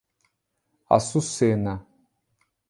Açucena